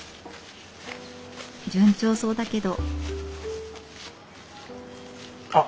順調そうだけど。